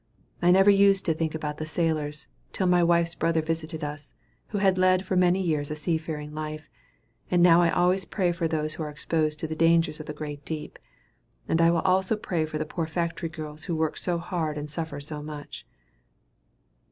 I never used to think about the sailors, till my wife's brother visited us, who had led for many years a sea faring life; and now I always pray for those who are exposed to the dangers of the great deep. And I will also pray for the poor factory girls who work so hard and suffer so much."